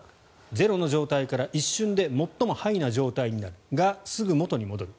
ゼロの状態から一瞬で最もハイな状態になるがすぐ元に戻る。